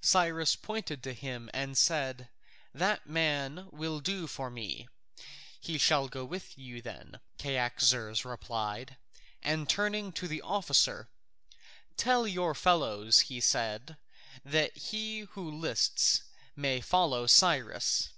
Cyrus pointed to him and said, "That man will do for me." "He shall go with you then," Cyaxares replied. And turning to the officer, "Tell your fellows," he said, "that he who lists may follow Cyrus."